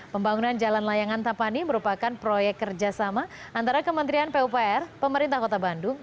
pembangunan jalan layang antapani merupakan proyek kerjasama antara kementerian pupr pemerintah kota bandung